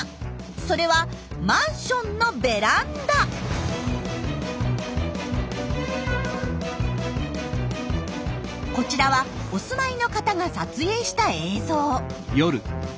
それはこちらはお住まいの方が撮影した映像。